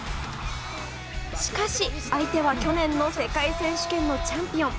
しかし相手は、去年の世界選手権のチャンピオン。